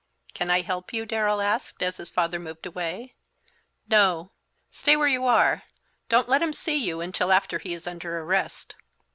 "Can I help you?" Darrell asked, as his father moved away. "No; stay where you are; don't let him see you until after he is under arrest."